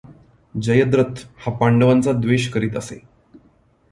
जयद्रथ हा पांडवांचा द्वेष करीत असे.